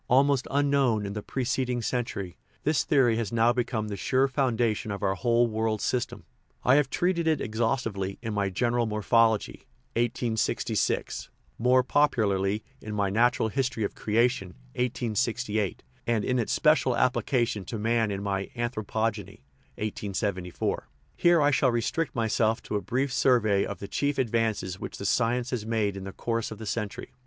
Almost unknown in the pre ceding century, this theory has now become the sure foundation of our whole world system. I have treated it exhaustively in my General Morphology (1866), more popularly in my Natural History of Creation (1868), and in its special application to man in my Anthro pogeny (1874). Here I shall restrict myself to a brief survey of the chief advances which the science has made in the course of the century.